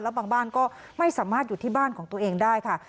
บางบ้านก็ไม่สามารถอยู่ที่บ้านของตัวเองได้ค่ะ